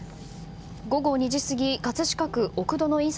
午後２時過ぎ葛飾区奥戸の印刷